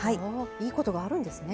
いいことがあるんですね。